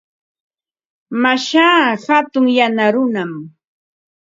Mashaa hatun yana runam.